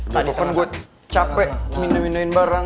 bukan gue capek minumin barang